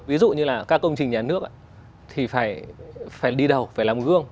ví dụ như là các công trình nhà nước thì phải đi đầu phải làm gương